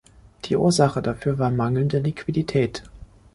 Die Ursache dafür war mangelnde Liquidität.